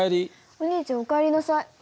お兄ちゃんお帰りなさい。